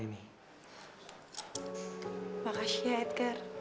makasih ya edgar